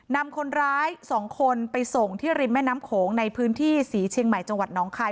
นำคนร้าย๒คนไปส่งที่ริมแม่น้ำโขงในพื้นที่ศรีเชียงใหม่จังหวัดน้องคาย